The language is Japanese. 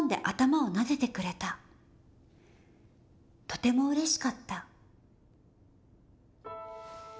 とてもうれしかった！」。